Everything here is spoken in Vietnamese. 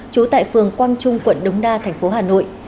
trú tại phường quang trung quận đống đa thành phố hà nội